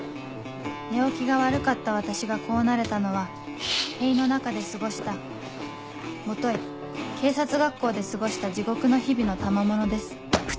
寝起きが悪かった私がこうなれたのは塀の中で過ごしたもとい警察学校で過ごした地獄の日々の賜物です